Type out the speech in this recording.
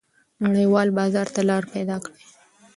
نړیوال بازار ته لار پیدا کړئ.